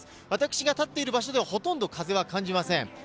私が立っている場所ではほとんど風は感じません。